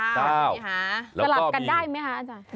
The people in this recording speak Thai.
กลับกันได้ไหมคะ